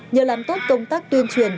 nhờ làm tốt công tác tuyên truyền